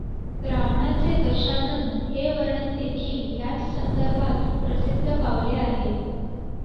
रावणाचे दशानन हे वर्णनदेखील ह्याच संदर्भात प्रसिद्ध पावले आहे.